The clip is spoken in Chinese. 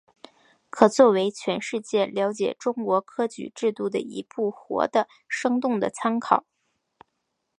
可作为全世界了解中国科举制度的一部活的生动的参考。